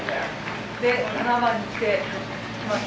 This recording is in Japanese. それで７番に来て。